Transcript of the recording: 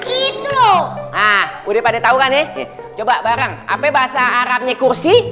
itu udah pada tahu kan coba barang apa bahasa arabnya kursi